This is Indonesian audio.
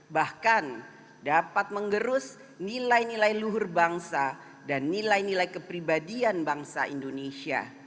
bahkan dapat menggerus nilai nilai luhur bangsa dan nilai nilai kepribadian bangsa indonesia